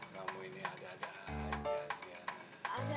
kamu ini ada ada aja tiana